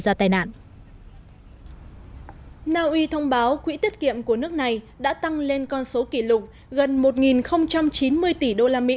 ra tai nạn naui thông báo quỹ tiết kiệm của nước này đã tăng lên con số kỷ lục gần một chín mươi tỷ usd